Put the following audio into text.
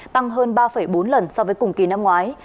tăng hơn ba bốn lần so với cùng kỳ năm ngoái